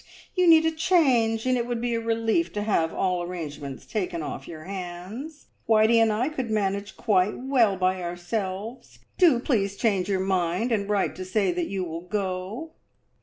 You need a change, and it would be a relief to have all arrangements taken off your hands. Whitey and I could manage quite well by ourselves. Do please change your mind and write to say that you will go!"